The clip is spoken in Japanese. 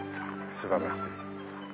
素晴らしい。